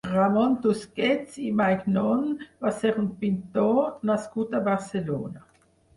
Ramon Tusquets i Maignon va ser un pintor nascut a Barcelona.